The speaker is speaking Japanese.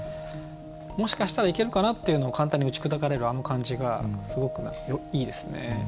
もしかしたらいけるかな？っていうのを簡単に打ち砕かれるあの感じがすごくいいですね。